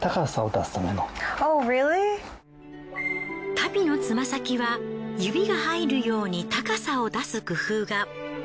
足袋のつま先は指が入るように高さを出す工夫が。